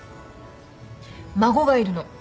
孫がいるの。